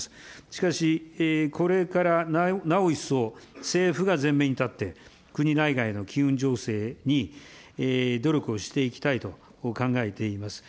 しかし、これからなお一層、政府が前面に立って、国内外の機運醸成に努力をしていきたいと考えています。